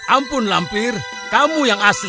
ampun lampir kamu yang asli